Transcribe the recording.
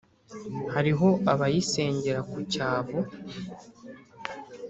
hariho abayisengera ku cyavu,